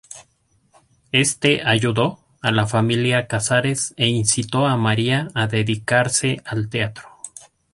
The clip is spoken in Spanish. Éste ayudó a la familia Casares e incitó a María a dedicarse al teatro.